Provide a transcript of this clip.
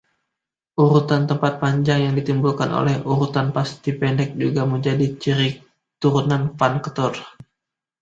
Urutan tepat panjang yang ditimbulkan oleh urutan pasti pendek juga menjadi ciri turunan functor.